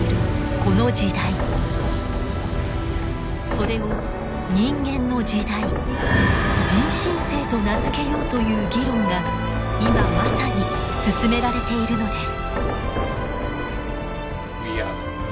それを人間の時代人新世と名付けようという議論が今まさに進められているのです。